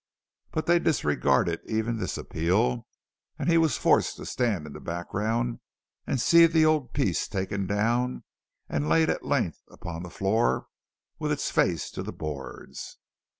But they disregarded even this appeal; and he was forced to stand in the background and see the old piece taken down and laid at length upon the floor with its face to the boards.